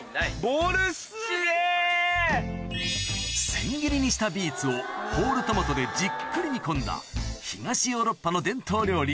千切りにしたビーツをホールトマトでじっくり煮込んだ東ヨーロッパの伝統料理